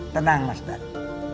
tenang mas danu